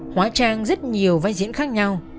hóa trang rất nhiều vai diễn khác nhau